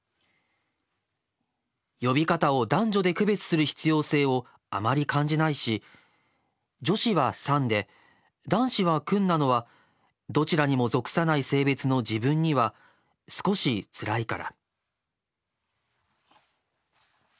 呼び方を男女で区別する必要性をあまり感じないし女子は『さん』で男子は『くん』なのはどちらにも属さない性別の自分には少しつらいから」。